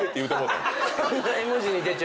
そんな絵文字に出ちゃう。